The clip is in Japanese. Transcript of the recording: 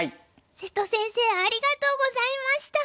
瀬戸先生ありがとうございました！